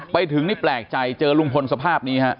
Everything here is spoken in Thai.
ไปถึงนี่แปลกใจเจอลุงพลสภาพนี้ฮะ